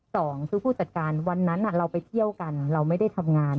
สองคือผู้จัดการวันนั้นเราไปเที่ยวกันเราไม่ได้ทำงาน